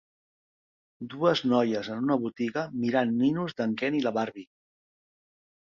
Dues noies en una botiga mirant ninos d'en Ken i la Barbie.